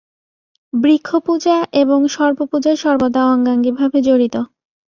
বৃক্ষপূজা এবং সর্পপূজা সর্বদা অঙ্গাঙ্গিভাবে জড়িত।